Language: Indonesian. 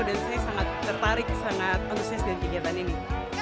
dan saya sangat tertarik sangat penuh sesuai dengan kegiatan ini